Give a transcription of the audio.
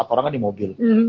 empat orang kan di mobil